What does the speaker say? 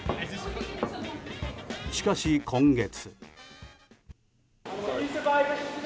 しかし、今月。